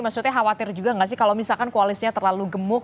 maksudnya khawatir juga nggak sih kalau misalkan koalisinya terlalu gemuk